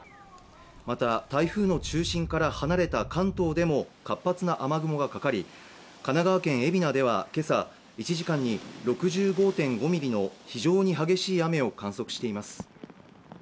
また、台風の中心から離れた関東でも活発な雨雲がかかり神奈川県海老名では今朝、１時間に６５．５ミリの非常に激しい雨を観測しています。